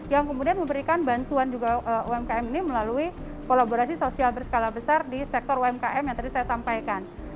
yang kemudian memberikan bantuan juga umkm ini melalui kolaborasi sosial berskala besar di sektor umkm yang tadi saya sampaikan